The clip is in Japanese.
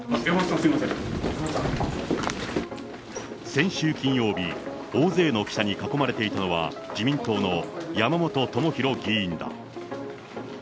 先週金曜日、大勢の記者に囲まれていたのは、自民党の山本朋広議員だ。